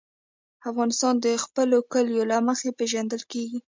افغانستان د خپلو کلیو له مخې پېژندل کېږي.